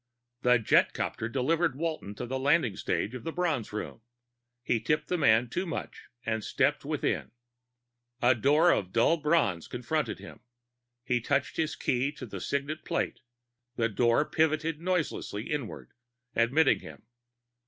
The jetcopter delivered Walton to the landing stage of the Bronze Room; he tipped the man too much and stepped within. A door of dull bronze confronted him. He touched his key to the signet plate; the door pivoted noiselessly inward, admitting him.